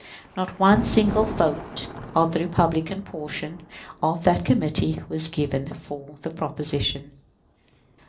Not one single vote of the Republican portion of that committee was given for the proposition.